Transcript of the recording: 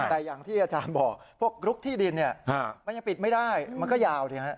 แต่อย่างที่อาจารย์บอกพวกลุกที่ดินมันยังปิดไม่ได้มันก็ยาว